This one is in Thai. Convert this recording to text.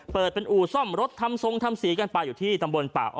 เปิดเป็นอู่ซ่อมรถทำทรงทำสีกันไปอยู่ที่ตำบลป่าอ้อ